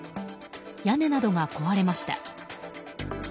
屋根などが壊れました。